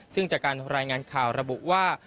ซึ่งจากการรายงานข่าวระบุว่า